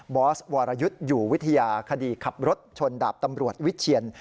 อสวรยุทธ์อยู่วิทยาคดีขับรถชนดาบตำรวจวิเชียน